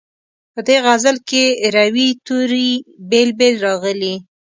په دې غزل کې روي توري بېل بېل راغلي.